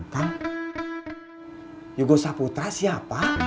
kan yugo sahputra siapa